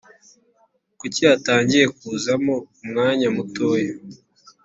Kuki hatangiye kuzamo umwanya mutoya